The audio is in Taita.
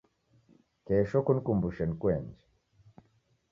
Kesho kunikumbushe nikuenje